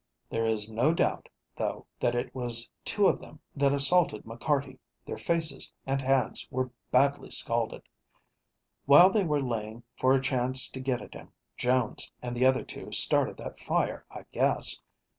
There is no doubt, though, that it was two of them that assaulted McCarty. Their faces and hands were badly scalded. While they were laying for a chance to get at him, Jones and the other two started that fire, I guess.